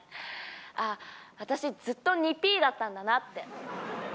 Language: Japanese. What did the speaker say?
ああ私ずっと２Ｐだったんだなって。